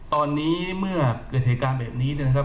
ตอนนี้เมื่อเกิดเหตุการณ์แบบนี้นะครับ